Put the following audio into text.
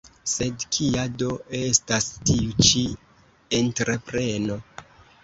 Sed kia do estas tiu ĉi entrepreno.